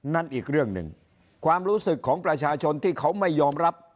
อีกเรื่องหนึ่งความรู้สึกของประชาชนที่เขาไม่ยอมรับ